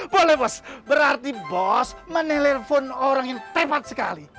boleh bos berarti bos menelpon orang yang tepat sekali